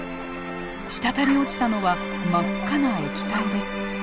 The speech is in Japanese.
滴り落ちたのは真っ赤な液体です。